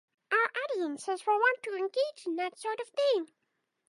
Our audiences will want to engage in that sort of thing.